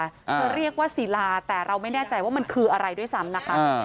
คือเรียกว่าศิลาแต่เราไม่แน่ใจว่ามันคืออะไรด้วยซ้ำนะคะ